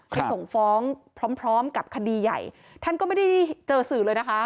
ไปส่งฟ้องพร้อมพร้อมกับคดีใหญ่ท่านก็ไม่ได้เจอสื่อเลยนะคะ